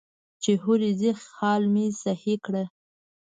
چې هورې ځې خال مې سهي کړه.